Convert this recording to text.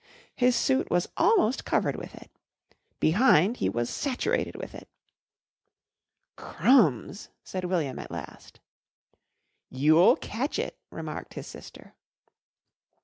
His suit was almost covered with it. Behind he was saturated with it. "Crumbs!" said William at last. "You'll catch it," remarked his sister.